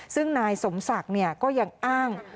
ซึ่งนายสมศักดิ์ก็ยังอ้าง